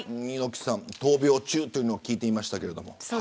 猪木さん、闘病中というのを聞いていましたが。